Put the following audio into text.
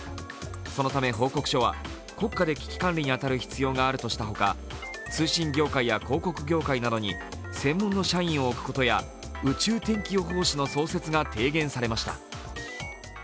そのため報告書は、国家で危機管理に当たる必要があるとした他、通信業界や広告業界などに専門の社員を置くことや宇宙天気予報士の創設が提言されました。